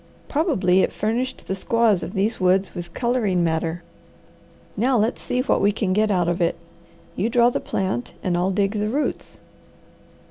"Probably it furnished the squaws of these woods with colouring matter. Now let's see what we can get out of it. You draw the plant and I'll dig the roots."